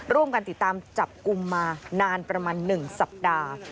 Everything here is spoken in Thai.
ร่วมกันติดตามจับกลุ่มมานานประมาณ๑สัปดาห์